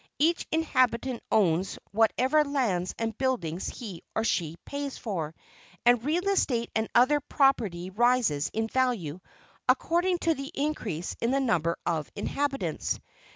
Each inhabitant owns whatever lands and buildings he or she pays for; and real estate and other property rises in value according to the increase in the number of inhabitants.